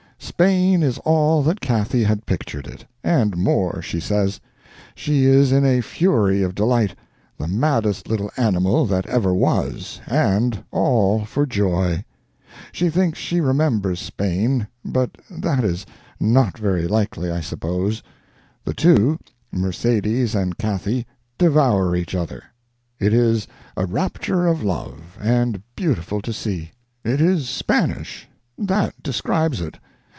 Spain is all that Cathy had pictured it—and more, she says. She is in a fury of delight, the maddest little animal that ever was, and all for joy. She thinks she remembers Spain, but that is not very likely, I suppose. The two—Mercedes and Cathy—devour each other. It is a rapture of love, and beautiful to see. It is Spanish; that describes it.